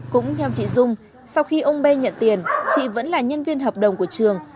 cũng theo chị dung sau khi ông b nhận tiền chị vẫn là nhân viên hợp đồng của trường